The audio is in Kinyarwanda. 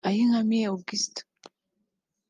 Ayinkamiye August